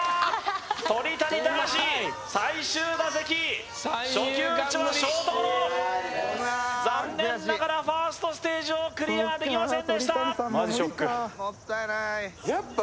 鳥谷敬最終打席初球打ちはショートゴロ残念ながらファーストステージをクリアできませんでした